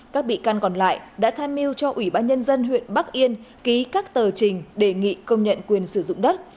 các bị can còn lại đã tham mưu cho ủy ban nhân dân huyện bắc yên ký các tờ trình đề nghị công nhận quyền sử dụng đất